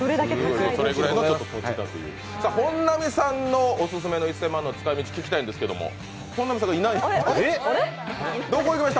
本並さんのオススメの１０００万円の使い道を聞きたいんですけどどこ行きました？